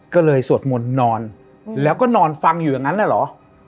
ก็เลยสวดมนต์นอนแล้วก็นอนฟังอยู่อย่างนั้นน่ะเหรอ